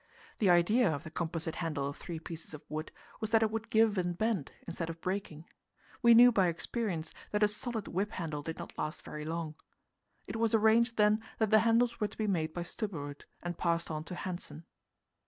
The idea of the composite handle of three pieces of wood was that it would give and bend instead of breaking. We knew by experience that a solid whip handle did not last very long. It was arranged, then, that the handles were to be made by Stubberud, and passed on to Hanssen.